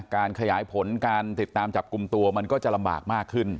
การขยายผลการติดตามจับกลุ่มตัวมันก็จะลำบากมากขึ้น